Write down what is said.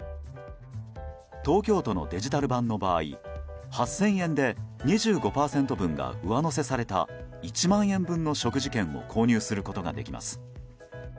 東京都のデジタル版の場合８０００円で２５％分が上乗せされた１万円分の食事券を購入することができます。